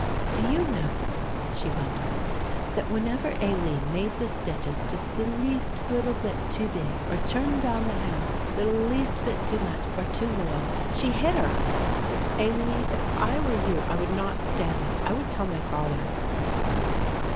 Do you know," she went on, "that whenever Aline made the stitches just the least little bit too big or turned down the hem the least bit too much or too little, she hit her. Aline, if I were you I would not stand it; I would tell my father."